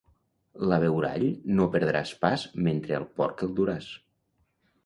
L'abeurall no perdràs pas mentre al porc el duràs.